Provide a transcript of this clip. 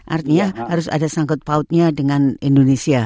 artinya harus ada sangkut pautnya dengan indonesia